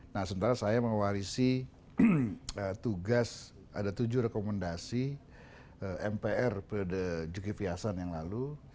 nah sementara saya mewarisi tugas ada tujuh rekomendasi mpr pada juki fiasan yang lalu